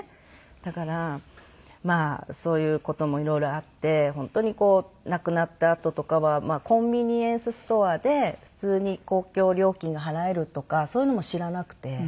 だからまあそういう事も色々あって本当にこう亡くなったあととかはコンビニエンスストアで普通に公共料金が払えるとかそういうのも知らなくて。